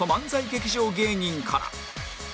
劇場芸人から